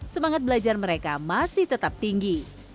semangat belajar mereka masih tetap tinggi